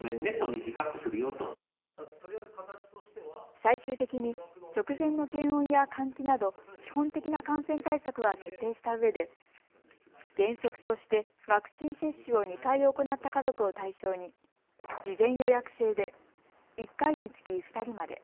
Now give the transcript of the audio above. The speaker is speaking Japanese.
最終的に直前の検温や換気など基本的な感染対策は徹底したうえで原則としてワクチン接種を２回行った家族を対象に事前予約制で１回につき２人まで。